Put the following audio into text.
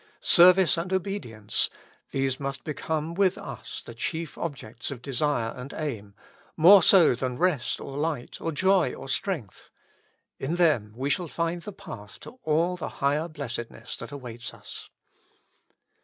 Service and obedience, these must become with us the chief objects of desire and aim, more so than rest or light, or joy or strength : in them we shall find the path to all the higher blessedness that awaits us.